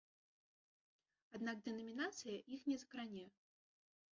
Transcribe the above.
Аднак дэнамінацыя іх не закране.